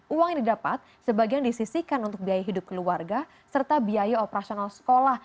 uang yang didapat sebagian disisikan untuk biaya hidup keluarga serta biaya operasional sekolah